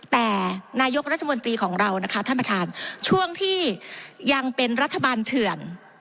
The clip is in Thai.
แต่นายกรัฐมนตรีของเรานะคะท่านประธานช่วงที่ยังเป็นรัฐบาลเถื่อน